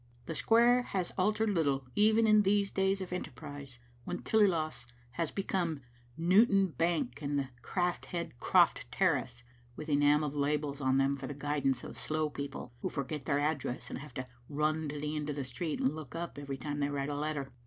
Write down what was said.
The square has altered little, even in these days of enterprise, when Tillyloss has become Newton Bani Digitized by VjOOQ IC S Tnutlffie abapter« 45 and the Craft Head Croft Terrace, with enamelled labels on them for the guidance of slow people, who forget their address and have to run to the end of the street and look up every time they write a letter.